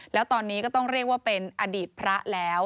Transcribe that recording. แล้วตอนนี้ก็ต้องเรียกว่าเป็นอดีตพระแล้ว